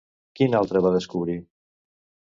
Quin altre va descobrir?